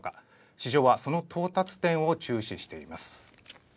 市場はその到達点を注視しています。